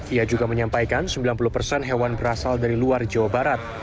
ia juga menyampaikan sembilan puluh persen hewan berasal dari luar jawa barat